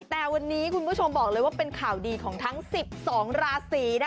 แต่วันนี้คุณผู้ชมบอกเลยว่าเป็นข่าวดีของทั้ง๑๒ราศี